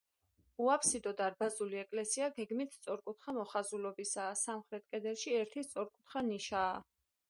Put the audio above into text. უაბსიდო დარბაზული ეკლესია გეგმით სწორკუთხა მოხაზულობისაა, სამხრეთ კედელში ერთი სწორკუთხა ნიშაა.